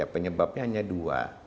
penyebabnya hanya dua